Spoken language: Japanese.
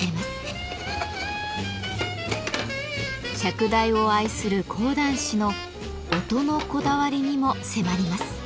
釈台を愛する講談師の音のこだわりにも迫ります。